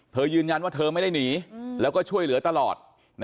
ยืนยันว่าเธอไม่ได้หนีแล้วก็ช่วยเหลือตลอด